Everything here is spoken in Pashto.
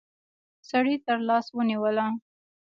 سړي تر لاس ونيوله.